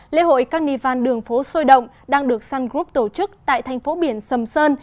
lễ hội carnival đường phố sôi động đang được sun group tổ chức tại thành phố biển sầm sơn